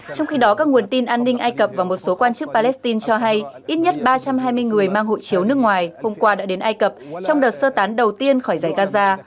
trong khi đó các nguồn tin an ninh ai cập và một số quan chức palestine cho hay ít nhất ba trăm hai mươi người mang hộ chiếu nước ngoài hôm qua đã đến ai cập trong đợt sơ tán đầu tiên khỏi giải gaza